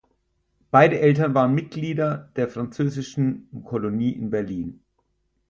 Beide Eltern waren Mitglieder der französischen Kolonie in Berlin.